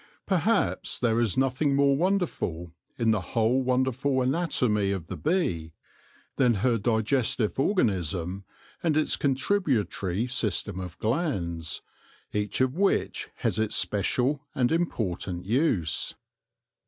Perhaps there is nothing more wonderful, in the whole wonderful anatomy of the bee, than her diges tive organism and its contributory system of glands, each of which has its special and important use.